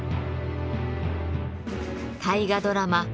大河ドラマ